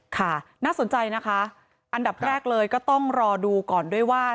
ค่ะน่าสนใจนะคะอันดับแรกเลยก็ต้องรอดูก่อนด้วยว่า